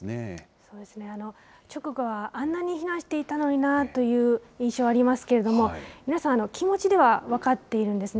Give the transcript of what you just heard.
そうですね、直後はあんなに避難していたのになぁという印象ありますけれども、皆さん、気持ちでは分かっているんですね。